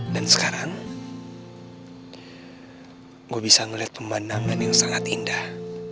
dan sekarang gue bisa ngeliat pemandangan yang sangat indah